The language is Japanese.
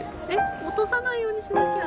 落とさないようにしなきゃ。